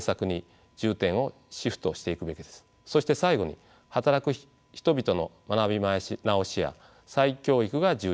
そして最後に働く人々の学び直しや再教育が重要です。